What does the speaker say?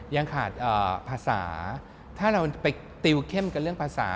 ยังขาดภาษาถ้าเราไปติวเข้มกันเรื่องภาษา